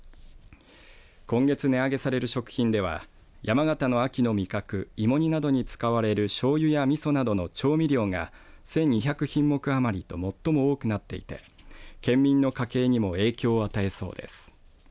今月、値上げされる食品では山形の秋の味覚芋煮などに使われるしょうゆやみそなどの調味料が１２００品目余りと最も多くなっていて県民の家計にも影響を与えそうです。